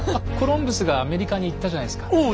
コロンブスがアメリカに行ったじゃないですか。